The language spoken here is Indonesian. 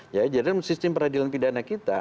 jadi dalam sistem peradilan pidana kita